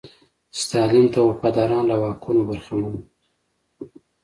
ستالین ته وفاداران له واکونو برخمن وو.